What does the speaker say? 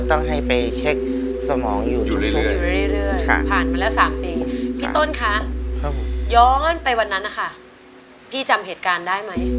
ที่จำเหตุการณ์ได้ไหม